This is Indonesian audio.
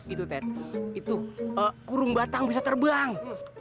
itu tet itu kurung batang bisa terbang